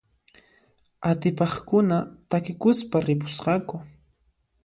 Atipaqkuna takikuspa ripusqaku.